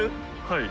はい。